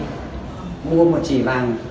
cô mua một chỉ vàng